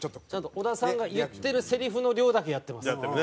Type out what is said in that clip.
小田さんが言ってるせりふの量だけやってます。